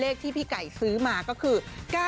เลขที่พี่ไก่ซื้อมาก็คือ๙๙๖๗๖๓